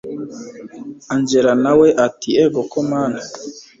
angella nawe ati egoko mana